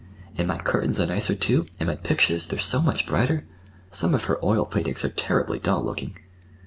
And my curtains are nicer, too, and my pictures, they're so much brighter—some of her oil paintings are terribly dull looking.